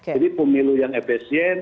jadi pemilu yang efesien